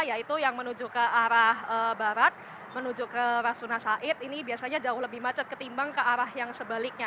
yaitu yang menuju ke arah barat menuju ke rasuna said ini biasanya jauh lebih macet ketimbang ke arah yang sebaliknya